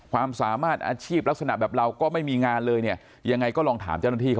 ความสามารถอาชีพลักษณะแบบเราก็ไม่มีงานเลยเนี่ยยังไงก็ลองถามเจ้าหน้าที่เขา